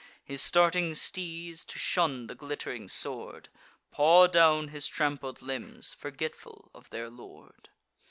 His starting steeds, to shun the glitt'ring sword, Paw down his trampled limbs, forgetful of their lord.